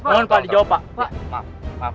mohon pak dijawab pak